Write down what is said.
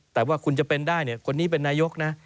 แต่ว่าคุณจะเป็นได้เนี่ยคนนี้เป็นนายกนะ